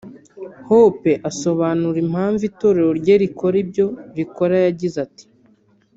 Hope asobanura impamvu itorero rye rikora ibyo rikora yagize ati